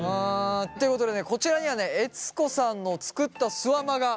ということでねこちらにはね悦子さんの作ったすわまが。